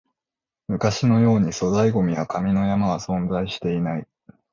昔のように粗大ゴミや紙の山は存在していない